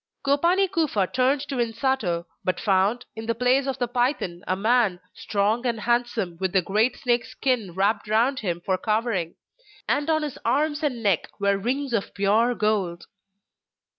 Gopani Kufa turned to Insato, but found, in the place of the python, a man, strong and handsome, with the great snake's skin wrapped round him for covering; and on his arms and neck were rings of pure gold.